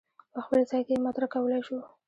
په خپل ځای کې یې مطرح کولای شو.